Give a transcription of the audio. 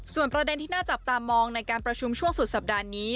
ส่วนประเด็นที่น่าจับตามองในการประชุมช่วงสุดสัปดาห์นี้